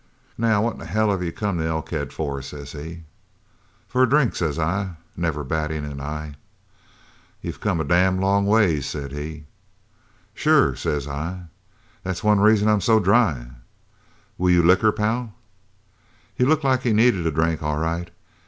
"'Now what in hell have you come to Elkhead for?' says he. "'For a drink' says I, never battin' an eye. "'You've come a damn long ways,' says he. "'Sure,' says I, 'that's one reason I'm so dry. Will you liquor, pal?' "He looked like he needed a drink, all right.